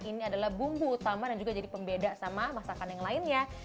ini adalah bumbu utama dan juga jadi pembeda sama masakan yang lainnya